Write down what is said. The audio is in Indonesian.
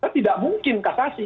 tidak mungkin kasasi